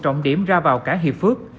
trọng điểm ra vào cả hiệp phước